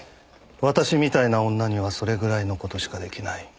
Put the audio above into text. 私みたいな女にはそれぐらいの事しか出来ない。